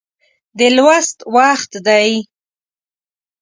د لوست وخت دی